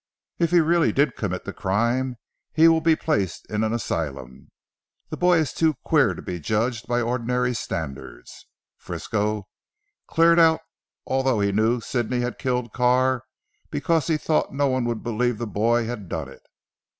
"If he really did commit the crime, he will be placed in an asylum. The boy is too queer to be judged by ordinary standards. Frisco cleared out although he knew Sidney had killed Carr, because he thought no one would believe the boy had done it.